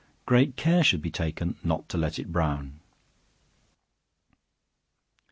Great care should be taken not to let it brown.